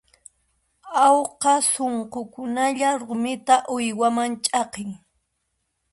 Awqa sunqukunalla rumita uywaman ch'aqin.